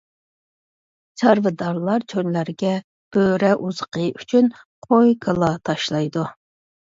چارۋىدارلار چۆللەرگە بۆرە ئوزۇقى ئۈچۈن قوي- كالا تاشلايدۇ.